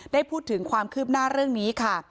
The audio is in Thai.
ได้พูดถึงความคืบหน้าเรื่องนี้ค่ะ